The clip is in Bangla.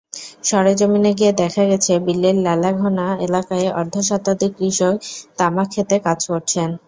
সরেজমিনে গিয়ে দেখা গেছে, বিলের লাল্যাঘোনা এলাকায় অর্ধশতাধিক কৃষক তামাকখেতে কাজ করছেন।